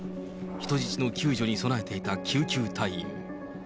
人質の救助に備えていた救急隊員。